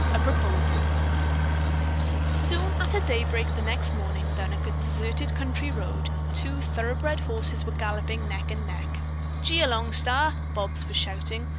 A PROPOSAL Soon after daybreak the next morning, down a deserted country road, two thoroughbred horses were galloping neck and neck. "Gee along, Star," Bobs was shouting.